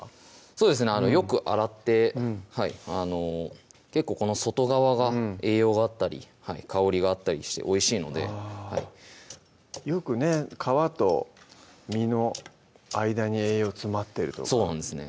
そうですねよく洗って結構この外側が栄養があったり香りがあったりしておいしいのでよくね皮と実の間に栄養詰まってるとかそうなんですね